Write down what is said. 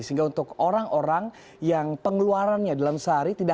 sehingga untuk orang orang yang pengeluarannya dalam sehari